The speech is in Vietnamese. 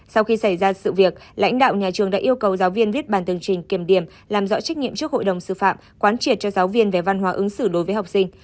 sau khi xảy ra sự việc lãnh đạo nhà trường đã yêu cầu giáo viên viết bàn tường trình kiểm điểm làm rõ trách nhiệm trước hội đồng sư phạm quán triệt cho giáo viên về văn hóa ứng xử đối với học sinh